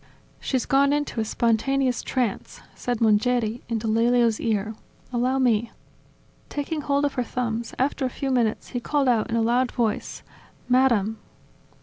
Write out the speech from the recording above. "She's gone into a spontaneous tranceV said Mongeri into Lelio's ear. "Allow me." Taking hold of her thumbs, after a few minutes he called out in a loud voice: "Madam!